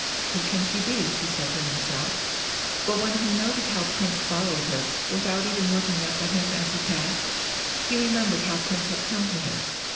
"Who can she be?" he said to himself; but when he noted how Prince followed her, without even looking up at him as he passed, he remembered how Prince had come to him.